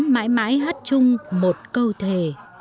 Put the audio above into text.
mãi hát chung một câu thề